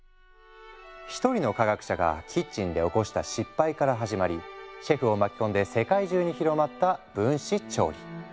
一人の科学者がキッチンで起こした失敗から始まりシェフを巻き込んで世界中に広まった分子調理。